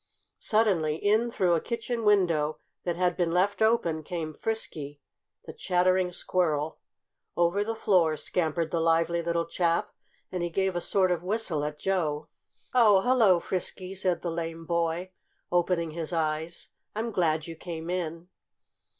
Suddenly, in through a kitchen window that had been left open came Frisky, the Chattering Squirrel. Over the floor scampered the lively little chap, and he gave a sort of whistle at Joe. "Oh, hello, Frisky!" said the lame boy, opening his eyes. "I'm glad you came in!"